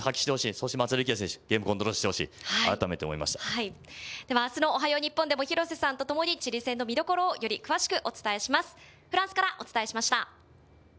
そして松田力也選手、ゲームコントロールしてほしい、改めて思いではあすのおはよう日本でも、廣瀬さんと共にチリ戦の見どころをより詳しくお伝えします。